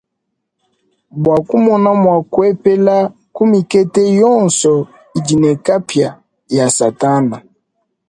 Bua kumona mua kuepela ku mikete yonso idi ne kapia ya satana.